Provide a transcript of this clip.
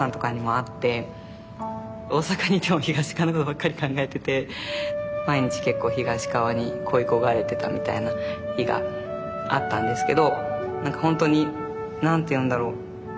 大阪にいても東川のことばっかり考えてて毎日結構東川に恋い焦がれてたみたいな日があったんですけど何かほんとに何て言うんだろう。